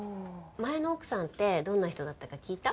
前の奥さんってどんな人だったか聞いた？